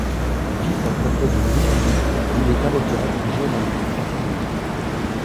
Fils d'un préfet de Louis-Philippe, il est avocat puis journaliste à Toulouse.